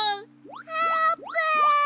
あーぷん。